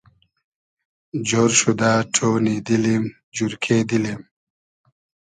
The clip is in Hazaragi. جۉر شودۂ ݖۉنی دیلیم جورکې دیلیم